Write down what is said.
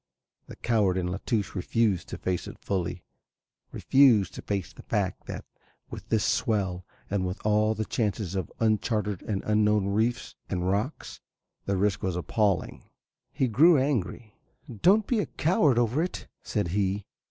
The coward in La Touche refused to face it fully, refused to face the fact that with this swell and with all the chances of uncharted and unknown reefs and rocks the risk was appalling. He grew angry. "Don't be a coward over it," said he.